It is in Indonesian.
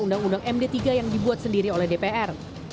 undang undang md tiga yang dibuat sendiri oleh dpr